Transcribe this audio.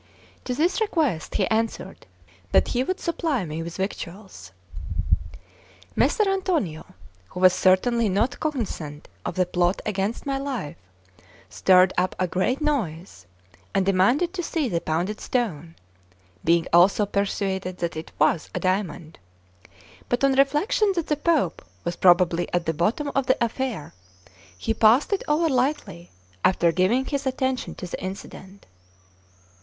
To this request he answered that he would supply me with victuals. Messer Antonio, who was certainly not cognisant of the plot against my life, stirred up a great noise, and demanded to see the pounded stone, being also persuaded that it was a diamond; but on reflection that the Pope was probably at the bottom of the affair, he passed it over lightly after giving his attention to the incident.